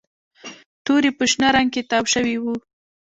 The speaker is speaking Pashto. توري په شنه رنګ کې تاو شوي وو